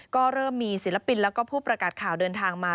ก็เริ่มมีศิลปินแล้วก็ผู้ประกาศข่าวเดินทางมา